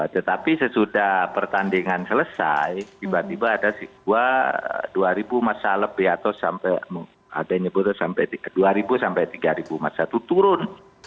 tetapi sesudah pertandingan selesai tiba tiba ada dua masa lebih atau sampai dua sampai tiga masa itu turun